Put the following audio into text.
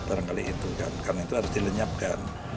karena itu harus dilenyapkan